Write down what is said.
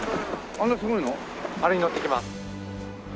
あれに乗って行きます。